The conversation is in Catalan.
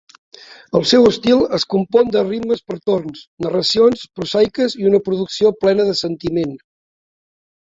El seu estil es compon de rimes per torns, narracions prosaiques i una producció plena de sentiment.